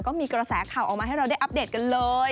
ก็มีกระแสข่าวออกมาให้เราได้อัปเดตกันเลย